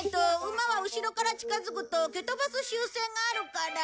馬は後ろから近づくと蹴飛ばす習性があるから。